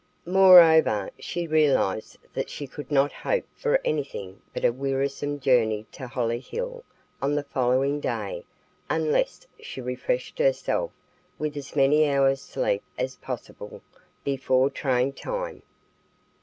Moreover, she realized that she could not hope for anything but a wearisome journey to Hollyhill on the following day unless she refreshed herself with as many hours sleep as possible before train time.